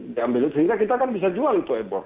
sehingga kita kan bisa jual itu e board